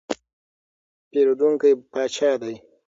پیرودونکی پاچا دی.